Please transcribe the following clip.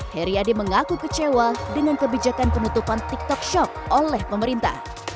heriadi mengaku kecewa dengan kebijakan penutupan tiktok shop oleh pemerintah